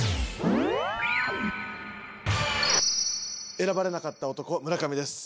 選ばれなかった男村上です。